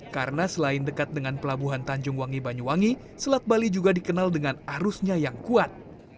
karena selain dekat dengan pelabuhan tanjung wangi banyuwangi selat bali juga dikenal dengan arusnya yang kuat